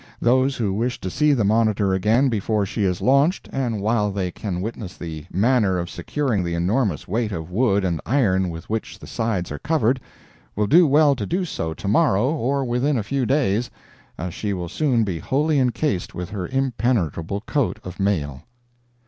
Those who wish to see the monitor again before she is launched, and while they can witness the manner of securing the enormous weight of wood and iron with which the sides are covered, will do well to do so to morrow, or within a few days, as she will soon be wholly encased with her impenetrable coat of mail.